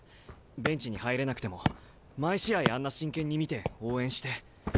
ベンチに入れなくても毎試合あんな真剣に見て応援して。